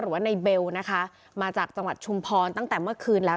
หรือว่าในเบลนะคะมาจากจังหวัดชุมพรตั้งแต่เมื่อคืนแล้ว